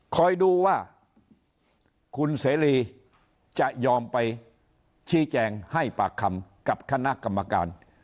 คอยดูว่าคุณเสรีจะยอมไปชี้แจงให้ปากคำกับคณะกรรมการ